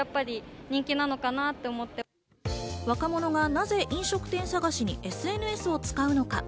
若者がなぜ飲食店探しに、ＳＮＳを使うのか。